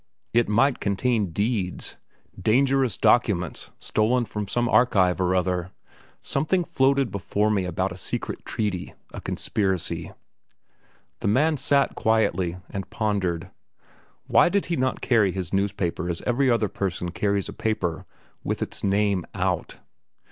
It might contain deeds, dangerous documents stolen from some archive or other; something floated before me about a secret treaty a conspiracy. The man sat quietly, and pondered. Why did he not carry his newspaper as every other person carries a paper, with its name out?